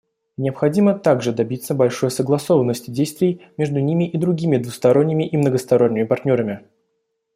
Необходимо также добиться большей согласованности действий между ними и другими двусторонними и многосторонними партнерами.